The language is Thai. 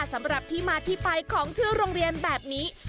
สำหรับที่มาที่ไปของชื่อโรงเรียนแบบนี้